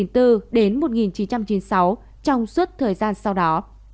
từ năm một nghìn chín trăm chín mươi bốn đến một nghìn chín trăm chín mươi sáu trong suốt thời gian sau đó